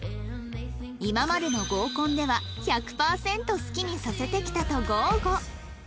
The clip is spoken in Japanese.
今までの合コンでは１００パーセント好きにさせてきたと豪語